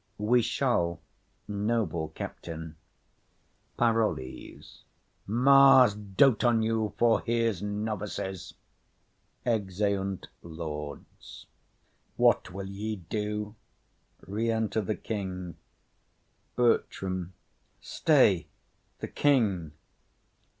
We shall, noble captain. PAROLLES. Mars dote on you for his novices! [Exeunt Lords.] What will ye do? BERTRAM. Stay the king.